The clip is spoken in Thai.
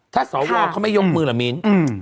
ถ้าสอวรเขาไม่ยกมือมีนอ๋อ